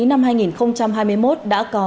năm hai nghìn hai mươi một đã có